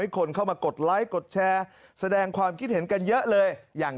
คนเข้ามากดไลค์กดแชร์แสดงความคิดเห็นกันเยอะเลยอย่าง